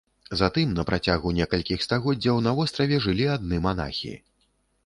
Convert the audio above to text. Затым на працягу некалькіх стагоддзяў на востраве жылі адны манахі.